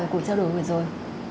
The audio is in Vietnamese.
của trao đổi vừa rồi